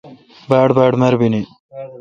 باڑباڑ مربینی ۔